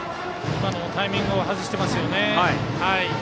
今のもタイミングを外していますね。